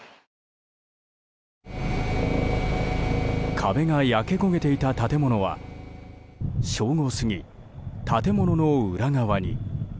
壁が焼け焦げていた建物は正午過ぎ、建物の裏側に。